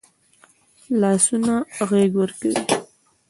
لاسونه غېږ ورکوي